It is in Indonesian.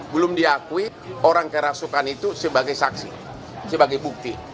belum diakui orang kerasukan itu sebagai saksi sebagai bukti